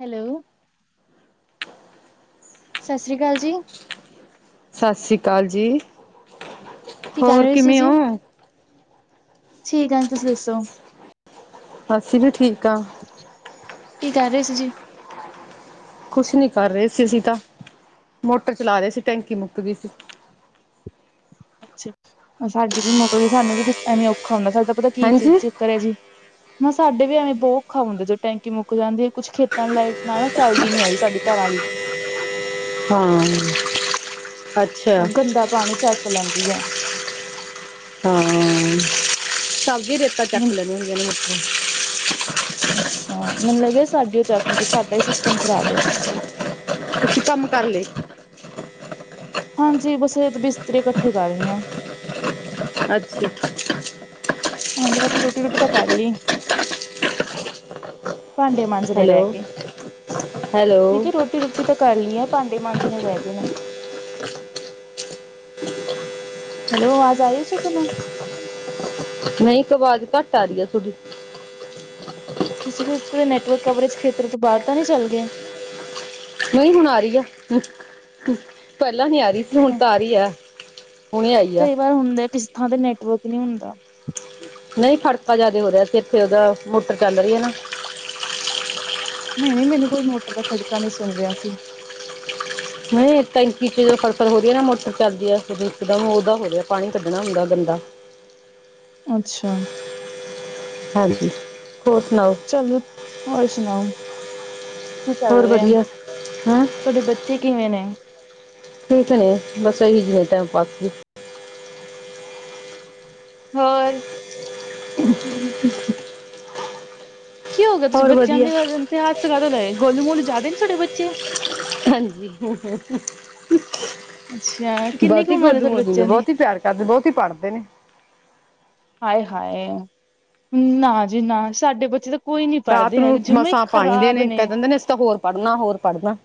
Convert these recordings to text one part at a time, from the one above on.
Hello. ਸਤਿ ਸ੍ਰੀ ਅਕਾਲ ਜੀ। ਸਤਿ ਸ਼੍ਰੀ ਅਕਾਲ ਜੀ। ਕੀ ਕਰ ਹੋਰ ਰਹੇ ਸੀ ਕਿਵੇਂ ਜੀ ਹੋ? ਠੀਕ ਆ ਤੁਸੀਂ ਦੱਸੋ। ਅਸੀਂ ਵੀ ਠੀਕ ਹਾਂ। ਕੀ ਕਰ ਰਹੇ ਸੀ ਜੀ। ਕੁਛ ਨੀ ਕਰ ਰਹੇ ਸੀ ਅਸੀਂ ਤਾਂ ਮੋਟਰ ਚਲਾ ਰਹੇ ਸੀ ਟੈਂਕੀ ਮੁੱਕ ਗਈ ਸੀ। ਅੱਛਾ ਸਾਡੀ ਵੀ ਮੌਕ ਗਈ ਸਾਨੂੰ ਵੀ ਐਵੇਂ ਔਖਾ ਹੁੰਦਾ ਸਾਡੇ ਤਾਂ ਪਤਾ ਕੀ ਚ ਹਾਂਜੀ। ਚੱਕਰ ਹੈ ਜੀ। ਮੈਂ ਸਾਡੇ ਵੀ ਐਵੇਂ ਬਹੁਤ ਔਖਾ ਹੁੰਦਾ ਜਦੋਂ ਟੈਂਕੀ ਮੁੱਕ ਜਾਂਦੀ ਹੈ ਕੁਛ ਖੇਤਾਂ ਲਾਈਟ ਨਾਲ ਨਾ ਚੱਲਦੀ ਨੀ ਹੈਗੀ ਸਾਡੀ ਘਰਾਂ ਵਾਲ ਲਈ। ਹੂੰ। ਉਹ ਗੰਦਾ ਪਾਣੀ ਚੱਕ ਲੈਂਦੀ ਹੈ। [unintelligible] ਅੱਛਾ, ਮੈਨੂੰ ਲੱਗਿਆ ਸਾਡੀ ਉਹ ਚੱਕਦੀ ਸਾਡਾ ਹੀ ਸਿਸਟਮ ਖਰਾਬ ਹੈ। ਤੁਸੀਂ ਕੰਮ ਕਰ ਲਏ। ਹਾਂਜੀ, ਬਸ ਇਹ ਤਾਂ ਬਿਸਤਰੇ ਇਕੱਠੇ ਕਰ ਰਹੀ ਹਾਂ। ਅੱਛਾ। ਹਾਂਜੀ, ਬਾਕੀ ਰੋਟੀ ਰੋਟੀ ਤਾਂ ਕਰ ਲਈ। ਭਾਂਡੇ ਮਾਂਜਣੇ ਰਹਿ ਹੈਲੋ, ਗਏ ਮੈਂ ਹੈਲੋ, ਕਿਹਾ ਰੋਟੀ ਰੁਟੀ। ਰੋਟੀ ਤਾਂ ਕਰ ਲਈ ਹੈ ਭਾਂਡੇ ਮਾਂਜਣੇ ਰਹਿ ਗਏ ਨੇ ਹੈਲੋ ਆਵਾਜ [unintelligible] ਨਹੀਂ ਆਵਾਜ਼ ਘੱਟ ਆ ਰਹੀ ਹੈ ਤੁਹਾਡੀ ਤੁਸੀਂ ਫਿਰ ਕਦੇ ਨੈਟਵਰਕ ਕਵਰੇਜ ਖੇਤਰ ਤੋਂ ਬਾਹਰ ਤਾਂ ਨਹੀਂ ਚੱਲ ਗਏ ਨਹੀਂ ਹੁਣ ਆ ਰਹੀ ਆ ਪਹਿਲਾਂ ਨਹੀ ਆ ਰਹੀ ਸੀ ਹੁਣ ਹਾਂ ਤਾਂ ਆ ਰਹੀ ਆ ਹੁਣੇ ਆਈ ਆ। ਕਈ ਵਾਰ ਹੁੰਦਾ ਕਿਸੇ ਥਾਂ ਤੇ ਨੈਟਵਰਕ ਨਹੀਂ ਹੁੰਦਾ ਨਹੀਂ ਖੜਕਾ ਜਿਆਦਾ ਹੋ ਰਿਹਾ ਸੀ ਇੱਥੇ ਉਹਦਾ ਮੋਟਰ ਚੱਲ ਰਹੀ ਹੈ ਨਾ ਨਹੀਂ-ਨਹੀਂ ਮੈਨੂੰ ਕੋਈ ਮੋਟਰ ਦਾ ਖੜਕਾ ਨਹੀਂ ਸੁਣ ਰਿਹਾ ਸੀ ਨਹੀਂ ਟੈਂਕੀ'ਚ ਜਦੋਂ ਫਸਲ ਹੋ ਰਹੀ ਹੈ ਨਾ ਮੋਟਰ ਚੱਲਦੀ ਇੱਕਦਮ ਉਹਦਾ ਹੋ ਰਿਹਾ ਪਾਣੀ ਕੱਢਣਾ ਹੁੰਦਾ ਗੰਦਾ ਅੱਛਾ ਹਾਂਜੀ ਹੋਰ ਸੁਣਾਓ [unintelligible] ਹੋਰ ਸੁਣਾਓ ਕੀ ਕਰ ਹੋਰ ਰਹੇ ਵਧੀਆ ਹੈਂ ਤੁਹਾਡੇ ਬੱਚੇ ਕਿਵੇਂ ਨੇ ਠੀਕ ਨੇ ਬਸ ਇਹੀ [unintelligible] ਹੋਰ [inaudible] ਕੀ ਹੋ ਗਿਆ ਤੁਸੀਂ ਹੋਰ ਬੱਚਿਆਂ ਵਧੀਆ। ਦੇ [unintelligible] ਲਏ ਗੋਲੂ ਮੋਲੂ ਜ਼ਿਆਦਾ ਨੀ ਸਾਡੇ ਬੱਚੇ ਹਾਂਜੀ ਅੱਛਾ ਕਿੰਨੀ ਕੁ ਬਹੁਤੀ ਉਮਰ ਹੈ ਗੋਲੂ ਤੁਹਾਡੇ ਮੋਲੂ ਨੇ ਬੱਚਿਆਂ ਦੀ ਬਹੁਤ ਹੀ ਪਿਆਰ ਕਰਦੇ ਬਹੁਤ ਹੀ ਪੜ੍ਹਦੇ ਨੇ ਹਾਏ-ਹਾਏ ਨਾ ਜੀ ਨਾ ਸਾਡੇ ਬੱਚੇ ਤਾਂ ਕੋਈ ਨੀ ਰਾਤ ਪੜ੍ਹਦੇ ਨੂੰ ਹੈਗੇ ਜਮਾ ਈ ਮਸਾਂ ਪਾਈਦੇ ਖ਼ਰਾਬ ਨੇ ਕਹਿ ਦਿੰਦੇ ਨੇ ਅਸੀਂ ਤਾਂ ਹੋਰ ਪੜ੍ਹਨਾ ਹੋਰ ਪੜ੍ਹਨਾ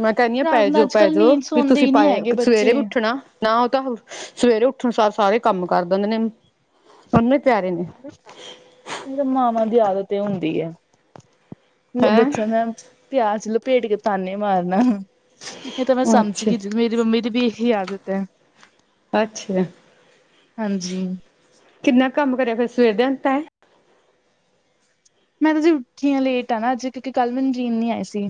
ਮੈਂ ਕਹਿੰਦੀ ਹਾਂ ਪੈ ਰਾਤ ਨੂੰ ਅੱਜ ਜਾਓ-ਪੈ ਕੱਲ੍ਹ ਜਾਓ ਨੀਂਦ ਵੀ ਸੌਂਦੇ ਤੁਸੀਂ ਹੀ ਨਹੀਂ ਪਾਏ ਹੈਗੇ ਸਵੇਰੇ ਬੱਚੇ ਵੀ ਉੱਠਣਾ ਨਾ ਉਹ ਤਾਂ ਸਵੇਰੇ ਉੱਠਣ ਸਾਰ ਸਾਰੇ ਕੰਮ ਕਰ ਦਿੰਦੇ ਨੇ [unintelligible] ਹੀ ਪਿਆਰੇ ਨੇ ਇਹ ਤਾਂ ਮਾਵਾਂ ਦੀ ਆਦਤ ਇਹ ਹੁੰਦੀ ਹੈ ਹੈਂ ਬੱਚਿਆਂ ਨੇ ਪਿਆਜ ਲਪੇਟ ਕੇ ਤਾਨੇ ਮਾਰਨਾ ਇਹ ਤਾਂ ਮੈਂ ਸਮਝ ਅੱਛਾ ਗਈ ਜੀ ਮੇਰੀ ਮੰਮੀ ਦੀ ਵੀ ਇਹੀ ਆਦਤ ਹੈ ਅੱਛਾ ਹਾਂਜੀ ਕਿੰਨਾ ਕੰਮ ਕਰਿਆ ਫਿਰ ਸਵੇਰ [unintelligible] ਮੈਂ ਤਾਂ ਜੀ ਉੱਠੀ ਹਾਂ ਲੇਟ ਆ ਨਾ ਅੱਜ ਕਿਉਂਕਿ ਕੱਲ ਮੈਨੂੰ ਨੀਂਦ ਨੀ ਆਈ ਸੀ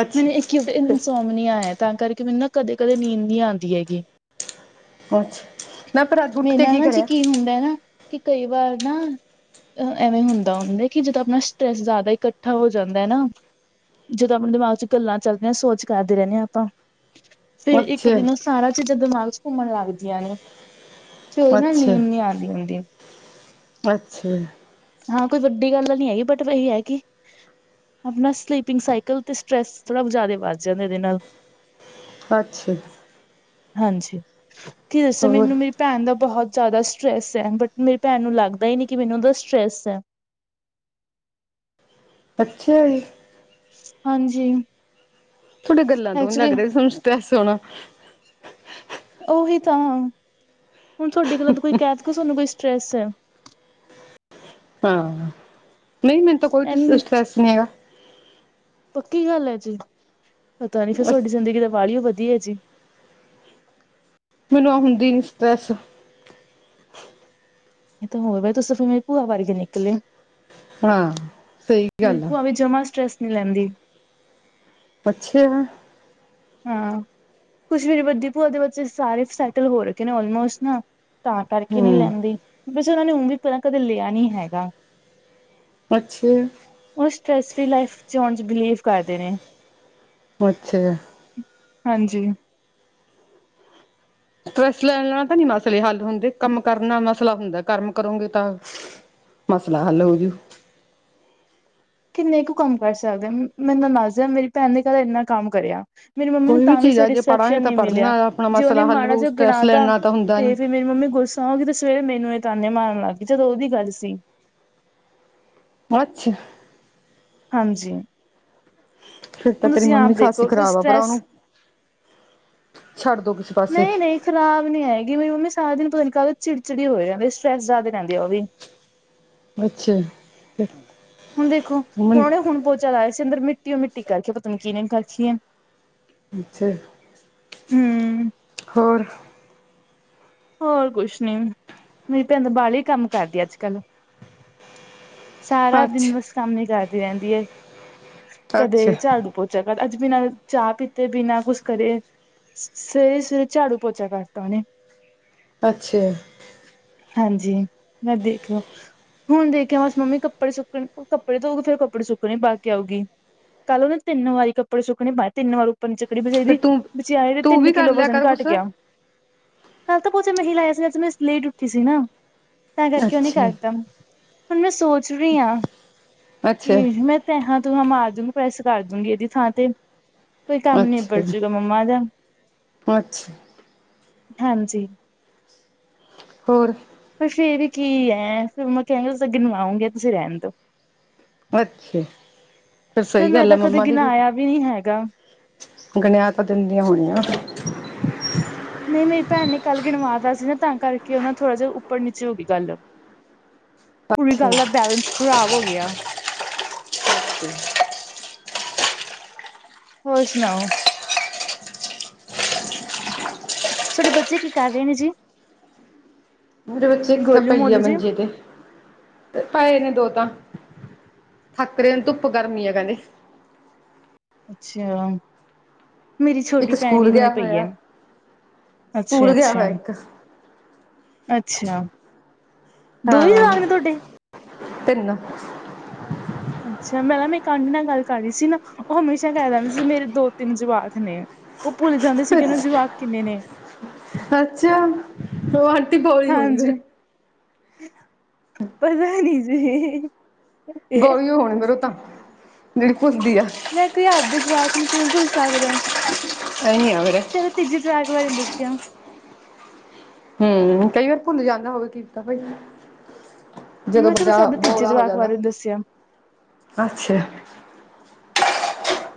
ਅੱਛਾ ਮੈਨੂੰ ਇੱਕ ਹੀ [unintelligible] ਨੀ ਆਇਆ ਤਾਂ ਕਰਕੇ ਮੈਨੂੰ ਨਾ ਕਦੇ-ਕਦੇ ਨੀਂਦ ਨਹੀਂ ਆਉਂਦੀ ਹੈਗੀ ਅੱਛਾ ਨਾ ਪਰ ਅੱਜ ਉੱਠ ਮੇਰੇ ਕੇ ਨਾਲ ਕੀ ਨਾ ਕਰਿਆ [unintelligible] ਹੁੰਦਾ ਨਾ ਕਿ ਕਈ ਵਾਰ ਨਾ ਐਵੇਂ ਹੁੰਦ ਹੁੰਦਾ ਕਿ ਜਿਦਾਂ ਆਪਣਾ ਸਟਰੈਸ ਜ਼ਿਆਦਾ ਇਕੱਠਾ ਹੋ ਜਾਂਦਾ ਹੈ ਨਾ ਜਦੋਂ ਆਪਣੇ ਦਿਮਾਗ ਚ' ਗੱਲਾਂ ਚੱਲਦੀਆਂ ਸੋਚ ਕਰਦੇ ਰਹਿੰਦੇ ਹਾਂ ਆਪਾਂ ਫਿਰ ਇੱਕ ਅੱਛਾ ਦਿਨ ਸਾਰਾ ਚੀਜ਼ਾਂ ਦਿਮਾਗ 'ਚ ਘੁੰਮਣ ਲੱਗਦੀਆਂ ਨੇ ਫਿਰ ਉਹ ਨਾ ਅੱਛਾ ਨੀਂਦ ਨੀ ਆਉਂਦੀ ਹੁੰਦੀ ਅੱਛਾ ਜੀ ਹਾਂ ਕੋਈ ਵੱਡੀ ਗੱਲ ਨਹੀਂ ਹੈਗੀ ਬਟ ਵਹੀ ਹੈ ਕਿ ਆਪਣਾ ਸਲੀਪਿੰਗ ਸਾਈਕਲ ਤੇ ਸਟਰੈਸ ਥੋੜ੍ਹਾ ਜ਼ਿਆਦਾ ਵੱਧ ਜਾਂਦਾ ਇਹਦੇ ਨਾਲ ਅੱਛਾ ਹਾਂਜੀ ਕੀ ਦੱਸਾ ਹੋਰ ਮੈਨੂੰ ਮੇਰੀ ਭੈਣ ਦਾ ਬਹੁਤ ਜ਼ਿਆਦਾ ਸਟਰੈੱਸ ਹੈ ਬਟ ਮੇਰੀ ਭੈਣ ਨੂੰ ਲੱਗਦਾ ਹੀ ਨਹੀਂ ਕਿ ਮੈਨੂੰ ਉਹਦਾ ਸਟਰੈੱਸ ਹੈ ਅੱਛਾ ਜੀ ਹਾਂਜੀ ਤੁਹਾਡੀ ਗੱਲਾਂ ਤੋਂ ਨੀ ਲੱਗ ਐਕਚੁਲੀ ਰਿਹਾ ਤੁਹਾਨੂੰ ਸਟਰੈਸ ਹੇਣਾ ਉਹੀ ਤਾਂ ਹਾਂ ਹੁਣ ਤੁਹਾਡੇ ਗੱਲਾਂ ਤੋਂ ਕੋਈ ਕਹਿਦ ਕੇ ਤੁਾਨੂੰ ਕੋਈ ਸਟਰ੍ਰੈਸ ਹੈ ਹਮ ਨਹੀਂ ਮੈਨੂੰ ਤਾਂ ਕੋਈ ਐਵੇਂ ਸਟਰੈ੍ਸ ਨਹੀਂ ਹੈਗਾ ਪੱਕੀ ਗੱਲ ਹੈ ਜੀ ਪਤਾ ਨੀ ਫਿਰ ਹੈਗਾ ਤੁਹਾਡੀ ਜ਼ਿੰਦਗੀ ਦਾ ਬਾਲਿਓ ਵਧੀਆ ਜੀ। ਮੈਨੂੰ ਆ ਹੁੰਦੀ ਨੀ ਸਟਰੈਸ ਇਹ ਤਾਂ ਹੋਰ ਤੁਸੀ ਫੇਰ ਮੇਰੀ ਭੂਆ ਵਰਗੇ ਨਿਕਲੇ ਹਾਂ ਸਹੀ ਮੇਰੀ ਗੱਲ ਆ ਭੂਆ ਵੀ ਜਮਾ ਸਟਰ੍ਰੈਸ ਨੀ ਲੈਂਦੀ ਅੱਛਾ। ਹਾਂ, ਕੁਛ ਮੇਰੀ ਵੱਡੀ ਭੂਆ ਦੇ ਬੱਚੇ ਸਾਰੇ ਸੈਟਲ ਹੋ ਰਹੇ ਨੇ ਅਲਮੋਸਤ ਨਾ ਤਾਂ ਕਰਕੇ ਨੀ ਹਮ ਲੈਂਦੀ ਬਸ ਉਹਨਾਂ ਨੇ ਉ ਵੀ ਕੀ ਕਦੇ ਲਿਆ ਨੀ ਹੈਗਾ ਅੱਛਾਂ। ਉਹ ਸਟ੍ਰੈਸ ਲਾਈਫ ਚ ਹੋਣ ਚ ਬਿਲੀਵ ਕਰਦੇ ਨੇ ਅੱਛਾ ਜੀ। ਹਾਂਜੀ। ਟਰੈੱਸ ਲੈ ਲੈਣਾ ਤਾਂ ਨੀ ਮਸਲੇ ਹੱਲ ਹੁੰਦੇ ਕੰਮ ਕਰਨਾ ਮਸਲਾ ਹੁੰਦਾ ਕੰਮ ਕਰੋਗੇ ਤਾਂ, ਮਸਲਾ ਹੱਲ ਹੋਜੂ ਕਿੰਨੇ ਕੁ ਕੰਮ ਕਰ ਸਕਦੇ ਮੈਨੂੰ ਦੱਸਦੇ ਆ ਮੇਰੀ ਭੈਣ ਨੇ ਕੱਲ ਇੰਨਾ ਕੰਮ ਕਰਿਆ ਮੇਰੀ ਮੰਮੀ ਨੂੰ ਕੋਈ ਤਾਂ ਵੀ ਚੀਜ਼ ਆ ਜੇ ਪੜਾਂਗੇ ਸੈਟਿਸਫੈਕਸ਼ਨ ਤਾਂ ਨੀ ਪੜ੍ਹਨ ਮਿਲਿਆ ਨਾਲ ਆਪਣਾ ਜੇ ਉਹਨੇ ਮਸਲਾ ਹੱਲ ਮਾੜਾ ਹੋਊ ਜਾ ਗਿਣਾ ਸਟਰੈਸ ਲੈਣ ਤਾ ਨਾਲ ਤਾਂ ਹੁੰਦਾ ਤੇ ਨੀ ਫੇਰ ਮੇਰੀ ਮੰਮੀ ਗੁੱਸਾ ਸੋਗੀ ਤੇ ਸਵੇਰੇ ਮੈਨੂੰ ਇਹ ਤਾਨੇ ਮਾਰਨ ਲੱਗ ਗਈ ਜਦੋਂ ਉਹਦੀ ਗੱਲ ਸੀ। ਅੱਛਾ। ਹਾਂਜੀ। ਫਿਰ ਤਾਂ ਤੇਰੀ ਤੁਸੀਂ ਆਪ ਮੰਮੀ ਖਾਸੀ ਦੇਖੋ ਫਿਰ ਖ਼ਰਾਬ ਆ ਭਰਾ ਸਟਰੈਸ ਉਹਨੂੰ। ਛੱਡ ਦੋ ਕਿਸੇ ਪਾਸੇ। ਨਹੀਂ-ਨਹੀਂ ਖ਼ਰਾਬ ਨੀ ਹੈਗੀ ਮੇਰੀ ਮੰਮੀ ਸਾਰਾ ਦਿਨ ਨੂੰ ਪਤਾ ਨੀ ਕਦੇ ਚਿੜਚਿੜੀ ਹੋਏ ਰਹਿੰਦੀ ਸਟਰੈਸ ਜ਼ਿਆਦਾ ਲੈਦੀ ਐ ਉਹ ਵੀ। ਅੱਛਾ। ਹੁਣ ਦੇਖੋ ਹੁਣ ਮਨ ਉਹਨੇ ਹੁਣ ਪੋਚਾ ਲਾਇਆ ਸੀ ਅੰਦਰ ਮਿੱਟੀਓ ਮਿੱਟੀ ਕਰਕੇ ਪਤਾ ਨੀ ਕਿਨੇ ਕਰ ਰੱਖੀ ਐ। ਅੱਛਾ। ਹੂੰ, ਹੋਰ। ਹੋਰ ਕੁਛ ਨੀ ਮੇਰੀ ਭੈਣ ਦਾ ਵਾਲਾ ਈ ਕੰਮ ਕਰਦੀ ਐ ਅੱਜ ਕੱਲ। ਸਾਰਾ ਦਿਨ ਅੱਛਾ ਬਸ ਕੰਮ ਈ ਕਰਦੀ ਰਹਿੰਦੀ ਐ ਕਦੇ ਅੱਛਾ ਝਾੜੂ ਬੋਤ ਜਗਾ ਅੱਜ ਬਿਨਾਂ ਚਾਹ ਪੀਤੇ ਬਿਨਾਂ ਕੁਛ ਕਰੇ। ਸਵੇਰੇ ਸਵੇਰੇ ਝਾੜੂ ਪੋਚਾ ਕਰਤਾ ਉਹਨੇ ਅੱਛਾ। ਹਾਂਜੀ ਮੈਂ ਦੇਖਓ ਹੁਣ ਦੇਖਿਆ ਬਸ ਮੰਮੀ ਕੱਪੜੇ ਸੁੱਕਣੇ ਕੱਪੜੇ ਧੋ ਕੇ ਫੇਰ ਕੱਪੜੇ ਸੁੱਕਣੇ ਪਾ ਆਉਗੀ। ਕੱਲ੍ਹ ਓਨੇ ਤਿੰਨ ਵਾਰੀ ਕੱਪੜੇ ਸੁੱਕਣੇ ਬਾਹਰ ਤਿੰਨ ਵਾਰ ਚੱਕੜ ਬਜਾਈ ਫਿਰ ਦੀ ਤੂੰ ਬਚਿਆਰੀ ਤੂੰ ਤਿੰਨ ਵੀ ਕਰ ਕਿੱਲੋ ਲਿਆ ਵਜਨ ਕਰ ਘੱਟ ਕੁਛ ਗਿਆ। ਅੱਛਾ ਕੱਲ ਤਾਂ ਪੋਚਾ ਮੈਂ ਹੀ ਲਾਇਆ ਸੀ ਨਾ, ਅੱਜ ਮੈਂ ਲੇਟ ਉੱਠੀ ਸੀ ਨਾ ਤਾਂ ਕਰਕੇ ਉਹ ਨੀ ਅੱਛਾ ਕਰਦਾ ਤਾਂ। ਹੁਣ ਮੈਂ ਸੋਚ ਰੀ ਆ ਕਿ ਅੱਛਾ ਮੈਂ ਤੇਹਾ ਤੁਹਾ ਮਾਰ ਦੂੰਗੀ ਪ੍ਰੈਸ ਕਰ ਦੂੰਗੀ ਇਹਦੀ ਥਾਂ ਤੇ ਕੋਈ ਕੰਮ ਨੀਬੜ ਜੂਗਾ ਮੰਮਾ ਦਾ ਅੱਛਾ। ਹਾਂਜੀ। ਹੋਰ। ਪਰ ਫੇਰ ਵੀ ਕੀ ਐ ਫਿਰ ਮੈਂ ਕਹਿਣ ਤੁਸੀ ਗਿਨਵਾਉਂਗੇ ਤੁਸੀਂ ਰਹਿਣ ਦੋ ਅੱਛਾ ਫਿਰ ਚੱਲ ਸਹੀ ਮੈਂ ਗੱਲ ਆ ਤਾਂ ਕਦੇ ਮੰਮਾ ਦੀ ਗਿਨਾਇਆ ਵੀ ਨੀ ਹੈਗਾ। ਗਣਿਆ ਤਾਂ ਦਿੰਦੀਆਂ ਹੋਣੀਆਂ। ਨਹੀਂ ਮੇਰੀ ਭੈਣ ਨੇ ਕੱਲ ਗਣਵਾਤਾ ਸੀ ਨਾ ਤਾਂ ਕਰਕੇ ਉਹਨਾ ਥੋੜ੍ਹਾ ਜਿਹਾ ਉੱਪਰ ਨੀਚੇ ਹੋ ਗਈ ਗੱਲ ਪੂਰੀ ਅੱਛਾ ਗੱਲ ਦਾ ਬੈਲੇੈਂਸ ਖ਼ਰਾਬ ਹੋ ਗਿਆ। ਹੋਰ ਸੁਣਾਓ। ਤੁਹਾਡੇ ਬੱਚੇ ਕੀ ਕਰ ਰਹੇ ਨੇ ਜੀ। ਮੇਰੇ ਬੱਚੇ ਇੱਕ ਤਾਂ ਗੋਲੂ ਪਈ ਆ ਮੋਲੂ ਜੀ ਮੰਜੇ ਤੇ ਪਏ ਨੇ ਦੋ ਤਾਂ ਥੱਕ ਰੇ ਨੂੰ ਧੁੱਪ ਗਰਮੀ ਆ ਕਹਿੰਦੇ। ਅੱਛਾ। ਮੇਰੀ ਛੋਟੀ ਇੱਕ ਭੈਣ ਸਕੂਲ ਵੀ ਗਿਆ ਹੁਣੇ ਪਈ ਹੈ, ਹੋਇਆ ਅੱਛਾ ਸਕੂਲ ਗਿਆ ਹੋਇਆ ਅੱਛਾ। ਇੱਕ ਅੱਛਾ- ਦੋ ਹੀ ਹਾਂ ਜਵਾਕ ਨੇ ਤੁਹਾਡੇ ਤਿੰਨ- ਅੱਛਾ ਮੈਂ ਨਾ ਮੈਂ ਇੱਕ ਆਂਟੀ ਨਾਲ ਗੱਲ ਕਰ ਰਹੀ ਸੀ ਨਾ ਉਹ ਹਮੇਸ਼ਾ ਕਹਿ ਦਿੰਦੇ ਸੀ ਮੇਰੇ ਨਾ ਦੋ ਤਿੰਨ ਜਵਾਕ ਨੇ- ਉਹ ਭੁੱਲ ਜਾਂਦੇ ਸੀਗੇ ਨਾਂ ਜਵਾਕ ਕਿੰਨੇ ਨੇ- ਅੱਛਾ ਉਹ ਆਂਟੀ ਬੌਲੀ ਹੋਣੀ ਹਾਂਜੀ ਫੇਰ- ਪਤਾ ਨੀ ਜੀ- ਬੋਲੀ ਹੋਣੀ ਫੇਰ ਔ ਤਾਂ ਜਿਹੜੀ ਭੁੱਲਦੀ ਏ - ਲੈ ਕੋਈ ਆਪਦੇ ਜਵਾਕ ਨੂੰ ਕਿਵੇਂ ਭੁੱਲ ਸਕਦਾ- ਕਰੇਗੇ ਅਵੇ ਦੇ ਚਲੋ ਤੀਜੇ ਜਵਾਕ ਬਾਰੇ ਦੱਸਿਓ ਹੂੰ ਕਈ ਵਾਰ ਭੁਲ ਜਾਂਦਾ ਹੋਵੇ ਕੀ ਪਤਾ ਭਾਈ - ਜਦੋਂ ਮੈਂ ਕਿਹਾ ਬੰਦਾ ਤੁਸੀਂ ਆਪਦੇ ਤੀਜੇ ਬੋਲਾ ਹੋ ਜਵਾਕ ਜਾਂਦਾ ਬਾਰੇ ਦੱਸਿਆ ਅੱਛਾ -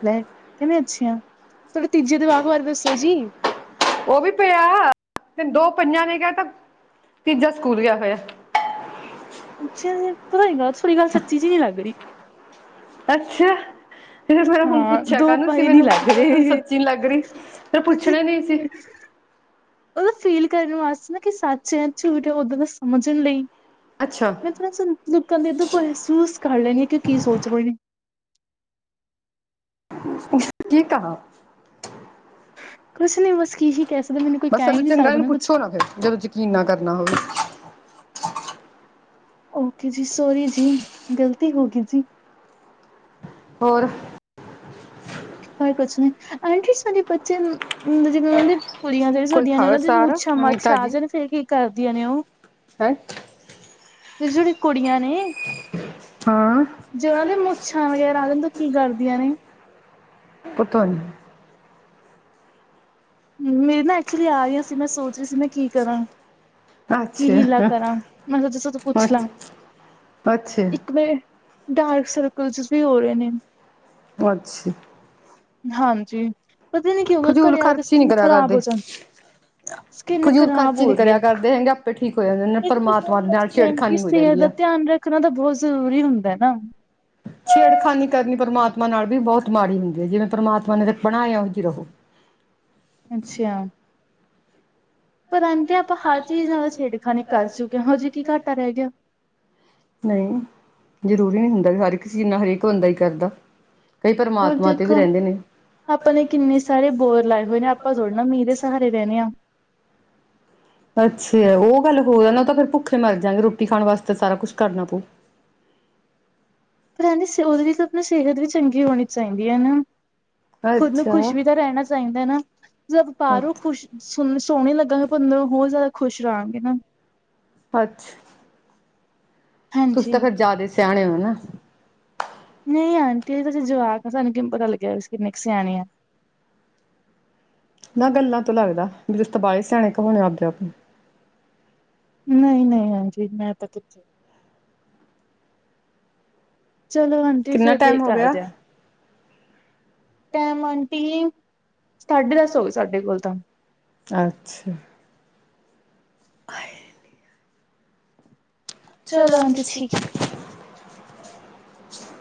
ਲੈ ਕਿਵੇਂ ਅੱਛਾ ਆ ਤੁਹੀ ਤੀਜੇ ਜਵਾਕ ਬਾਰੇ ਦੱਸੋ ਜੀ- ਉਹ ਵੀ ਪਿਆ ਦੋ ਪਈਆਂ ਨੇ ਕਿਹਾ ਤਾਂ ਤੀਜਾ ਸਕੂਲ ਗਿਆ ਹੋਇਆ- ਅੱਛਾ ਜੀ ਗੱਲ ਥੋੜੀ ਗੱਲ ਸੱਚੀ ਜਿ ਨੀ ਲੱਗ ਰਹੀ- ਅੱਛਾ- ਤੇ ਮੇ ਹੁਣ ਹਾਂ ਪੁੱਛਿਆ ਦੋ ਕਾਹਨੂੰ ਸੀ ਪਹੇ ਨੀ ਮੈਨੂੰ ਲੱਗ ਤਹਾਨੂੰ ਰਹੇ। ਸੱਚੀ ਨੀ ਲੱਗ ਰਹੀ ਤੇ ਪੁੱਛਣਾ ਨਈ ਸੀ- ਉਹਦਾ ਫੀਲ ਕਰਨ ਵਾਸਤੇ ਨਾ ਕਿ ਸੱਚਿਆਂ ਝੂਠ ਏ ਓਦਾਂ ਦਾ ਸਮਝਣ ਲਈ ਅੱਛਾ ਮੈਂ - ਲੋਕਾਂ ਦੀ ਏਧੋਂ ਮਹਿਸੂਸ ਕਰ ਲੈਣੀ ਆ ਕਿ ਕੀ ਸੋਚ ਰਹੇ ਨੇ - ਮੁਸ਼ਕ ਜੀ ਕਹਾ- ਕੁਛ ਨੀ ਮੁਸਕੀ ਜੀ ਕੇਸੇ ਦੇ ਮੈਨੂੰ- ਕੋਈ ਬਸ ਕਹਿ ਹੀ ਨਹੀਂ ਚੰਗਾ ਸਕਦਾ ਇਹਨੂੰ ਕੁਛ ਪੁੱਛੋ ਨਾ ਫੇਰ ਜਦੋਂ ਜਕੀਨ ਨਾ ਕਰਨਾ ਹੋਵੇ- ਓਕੇ ਜੀ ਸੋਰੀ ਜੀ ਗਲਤੀ ਹੋ ਗਈ ਜੀ- ਹੋਰ- ਹੋ ਕੁਛ ਨੀ ਆਂਟੀ ਬੱਚੇ ਨੂੰ - ਕੁੜੀਆਂ ਦੇ ਕੋਈ ਸਾਡੀਆਂ ਦੇ ਖਾਵੇ ਉਹਨਾਂ ਦੇ ਸਾਰ ਮੁੱਛਾਂ ਨਵੀਂ ਮਾੱਛਾ ਆ ਤਾਜੀ ਜਾਨ ਫਿਰ ਕੀ ਕਰਦੀਆਂ ਨੇ ਉਹ- ਹੈਂ- ਜੈ ਜਿਹੜੀਆਂ ਕੁੜੀਆਂ ਨੇ- ਹਾਂ ਜੇ ਉਹਨਾਂ ਦੇ ਮੁੱਛਾਂ ਵਗੈਰਾ ਆ ਜਾਨ ਤੇ ਔ ਕੀ ਕਰਦੀਆਂ ਨੇ- ਪਤਾ ਨੀ- ਹੂੰ ਮੇਰੇ ਨਾ ਐਕਚੁਲੀ ਆ ਰਹੀ ਸੀ ਮੈਂ ਸੋਚ ਰਹੀ ਸੀ ਮੈਂ ਕੀ ਕਰਾਂ- ਕੀ ਅੱਛਾ ਹੀਲਾ ਕਰਾਂ ਮੈਂ ਸੋਚਾਂ ਪੁੱਛ ਲਾਂ ਅੱਛਾ ਅੱਛਾ ਇੱਕ ਵ- ਡਾਰਕ ਸਰਕਲਜ਼ ਵੀ ਹੋ ਰਹੇ ਨੇ- ਅੱਛਾ- ਹਾਂਜੀ ਪਤਾ ਨੀ ਕਿ ਹੋ ਗਿਆ ਘਰੇ ਆ ਕੇ ਕੁਛ - ਨੀ ਕਰਿਆ ਕਰਦੇ- ਸਕਿੰਨ ਫਜੂਲ ਖ਼ਰਾਬ ਖਰਚੀ ਹੋ ਨੀ ਰਹੀ ਕਰਿਆ ਹੈ ਕਰਦੇ ਹੈਗੇ ਆਪੇ ਠੀਕ ਹੋ ਜਾਂਦੇ ਇਹਦੇ ਤੇ ਫੋਨ ਪਰਮਾਤਮਾ ਦੇ ਨਾਲ- ਕਰਕੇ ਆਂਟੀ ਛੇੜਖਾਨੀ ਹੋ ਸਿਹਤ ਜਾਂਦੀ ਦਾ ਐ - ਧਿਆਨ ਰੱਖਣਾ ਤਾਂ ਬਹੁਤ ਜ਼ਰੂਰੀ ਹੁੰਦਾ ਨਾ ਖਾਨੀ ਕਰਨੀ ਪ੍ਰਮਾਤਮਾ ਨਾਲ ਵੀ ਬਹੁਤ ਮਾੜੀ ਹੁੰਦੀ ਐ ਜਿਵੇਂ ਪ੍ਰਮਾਤਮਾ ਨੇ ਬਣਾਇਆ ਉਂਝ ਹੀ ਰਹੋ ਅੱਛੀਆ ਪਰ ਰਹਿਦੇ ਆਪਾਂ ਹਰ ਚੀਜ਼ ਨਾਲ ਛੇੜਖਾਨੀ ਕਰ ਚੁੱਕੇ ਹਜੇ ਕੀ ਘਾਟਾ ਰਹਿ ਗਿਆ ਨਈ ਜ਼ਰੂਰੀ ਨੀ ਹੁੰਦਾ ਹਰ ਇੱਕ ਚੀਜ਼ ਨਾਲ ਹਰੇਕ ਬੰਦਾ ਹੀ ਕਰਦਾ ਆ ਕਈ ਹੋਰ ਪਰਮਾਤਮਾ ਤੇ ਵੀ ਦੇਖੋ ਰਹਿੰਦੇ ਨੇ ਆਪਾਂ ਨੇ ਕਿੰਨੇ ਸਾਰੇ ਬੋੜ ਲਾਏ ਹੋਏ ਨੇ ਆਪਾਂ ਥੋੜੇ ਨਾ ਮੀਂਹ ਦੇ ਸਹਾਰੇ ਰਹਿਣੇ ਆ ਅੱਛਾ ਉਹ ਗੱਲ ਹੋਰ ਨਾ ਤਾਂ ਫੇਰ ਭੁੱਖੇ ਮਰਜਗੇ ਰੋਟੀ ਖਾਣ ਵਾਸਤੇ ਸਾਰਾ ਕੁੱਛ ਕਰਨਾ ਪਊ ਪਰ ਐਨੀ ਸੇਉਲ ਵੀ ਤਾਂ ਆਪਣਾ ਸਿਹਤ ਵੀ ਚੰਗੀ ਹੋਣੀ ਚਾਹੀਦੀ ਐ ਨਾ ਖੁਦ ਨੂੰ ਅੱਛਾ ਖੁਸ਼ ਵੀ ਤਾਂ ਰਹਿਣਾ ਚਾਈਦਾ ਨਾ ਜਦ ਪਾਰੋਂ ਅੱਛਾ ਖੁਸ਼ ਸੁਨ ਨੂੰ ਸੋਹਣੀ ਈ ਲੱਗਾਗੇ ਪਰ ਮ ਹੋਰ ਜ਼ਿਆਦਾ ਖੁਸ਼ ਰਹਾਂਗੇ ਨਾ ਅੱਛਾ ਤੁਸੀਂ ਹਾਂਜੀ। ਤਾਂ ਫੇਿਰ ਜ਼ਿਆਦਾ ਸਿਆਣੇ ਉ ਨਾ ਨਹੀਂ ਆਂਟੀ ਅਜੇ ਤੇ ਅਸੀਂ ਜਵਾਕ ਆ ਤਾਨੂੰ ਕਿਵੇਂ ਪਤਾ ਲੱਗਿਆ ਅਸੀਂ ਕਿੰਨੇ ਕ ਸਿਆਣੇ ਆ ਨਾ ਗੱਲਾਂ ਤੋਂ ਲੱਗਦਾ ਤੁਸੀ ਤਾਂ ਬਾਲੇ ਏ ਸਿਆਣੇ ਕਹਾਣੇ ਆਪਣੇ ਆਪ ਨੂੰ ਨਹੀਂ ਨਹੀਂ ਈ ਆਜੀ ਈ ਮੈਂ ਤਾਂ ਕਿੱਥੇ ਚਲੋ ਆਂਟੀ ਕਿੰਨਾ ਫਿਰ ਦੇ ਟਾਈਮ ਹੋ ਤਾ ਗਿਆ ਆਜ ਟਾਮ ਆਂਟੀ ਈ ਸਾਢੇ ਦਸ ਹੋ ਗਏ ਸਾਡੇ ਕੋਲ ਤਾਂਆ ਅੱਛਾ ਆਏ ਚਲੋ ਆਂਟੀ ਠੀਕ ਐ ਹਮ